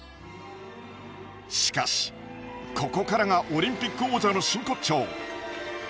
しかしここからがオリンピック王者の真骨頂。